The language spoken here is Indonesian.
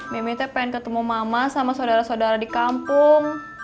mimi teh pengen ketemu mama sama sodara sodara di kampung